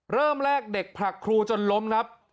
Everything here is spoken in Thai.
เริ่มแรกเด็กผลักครูจนล้มครับ